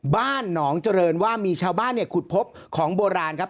บ้านหนองเจริญว่ามีชาวบ้านเนี่ยขุดพบของโบราณครับ